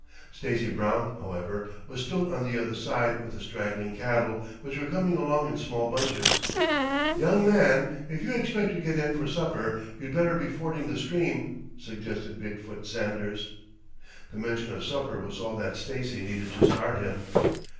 Stacy Brown, however, was still on the other side with the straggling cattle which were coming along in small bunches. "Young man, if you expect to get in for supper, you'd better be fording the stream," suggested Big foot Sanders. The mention of supper was all that Stacy needed to start him.